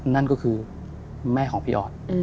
นั่นก็คือแม่ของพี่ออส